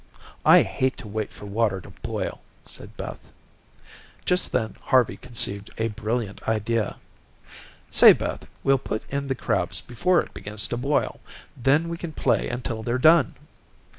"I hate to wait for water to boil," said Beth. Just then Harvey conceived a brilliant idea. "Say, Beth, we'll put in the crabs before it begins to boil. Then we can play until they're done."